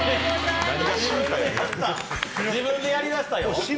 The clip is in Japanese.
自分でやり出したよ。